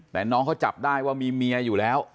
แต่น้องเขาจับได้ว่ามีเมียอยู่แล้ว